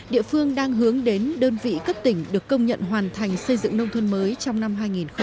địa phương đang hướng đến đơn vị cấp tỉnh được công nhận hoàn thành xây dựng nông thôn mới trong năm hai nghìn một mươi tám